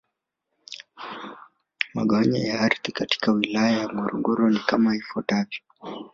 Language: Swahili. Mgawanyo wa ardhi katika Wilaya ya Ngorongoro ni kama ifuatavyo